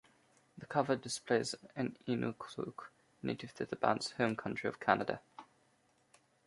The cover displays an inuksuk, native to the band's home country of Canada.